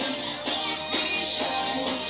อีอิจาก